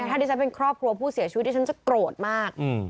ถ้าดิฉันเป็นครอบครัวผู้เสียชีวิตที่ฉันจะโกรธมาก